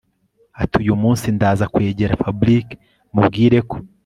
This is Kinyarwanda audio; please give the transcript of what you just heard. atiuyumunsi ndaza kwegera FABRIC mubwire ko